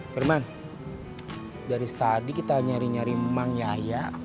berman dari tadi kita nyari nyari mang yaya